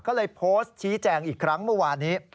ก็เลยโพสต์ชี้แจงอีกครั้งเมื่อวานี้